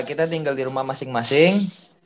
kita tinggal di rumah masing masing